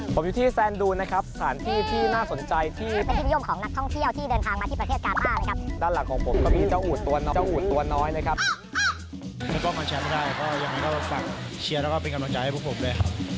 กองเชียร์ไทยส่งกำลังใจมาที่เวียดนามนะคะ